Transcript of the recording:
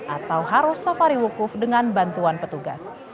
atau harus safari wukuf dengan bantuan petugas